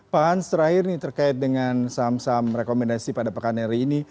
pak hans terakhir ini terkait dengan saham saham rekomendasi pada pekan hari ini